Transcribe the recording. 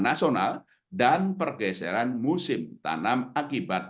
nasional dan pergeseran musim tanam akibat